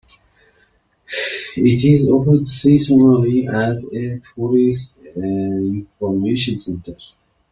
It is open seasonally as a tourist information centre.